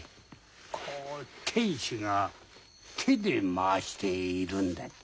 こう天使が手で回しているんだって。